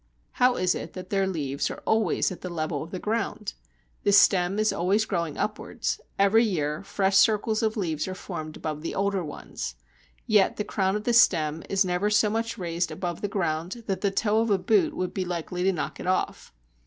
How is it that their leaves are always at the level of the ground? The stem is always growing upwards; every year fresh circles of leaves are formed above the older ones. Yet the crown of the stem is never so much raised up above the ground that the toe of a boot would be likely to knock it off.